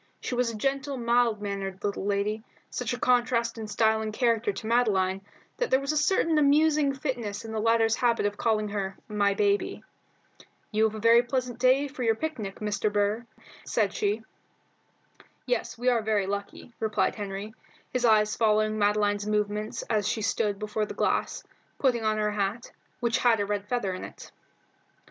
She was a gentle, mild mannered little lady, such a contrast in style and character to Madeline that there was a certain amusing fitness in the latter's habit of calling her "My baby." "You have a very pleasant day for your picnic, Mr. Burr," said she. "Yes, we are very lucky," replied Henry, his eyes following Madeline's movements as she stood before the glass, putting on her hat, which had a red feather in it.